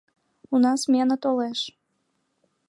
— Уна смена толеш.